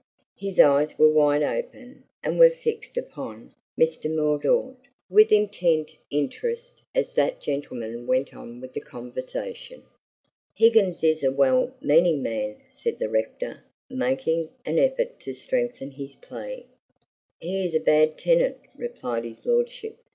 His eyes were wide open and were fixed upon Mr. Mordaunt with intent interest as that gentleman went on with the conversation. "Higgins is a well meaning man," said the rector, making an effort to strengthen his plea. "He is a bad enough tenant," replied his lordship.